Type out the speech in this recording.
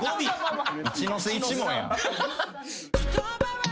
一ノ瀬一門や。